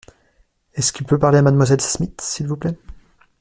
Est-ce qu’il peut parler à mademoiselle Smith, s’il vous plait ?